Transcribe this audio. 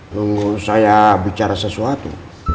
tunggu saya bicara sesuatu